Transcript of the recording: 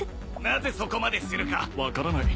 なぜそこまでするか分からない。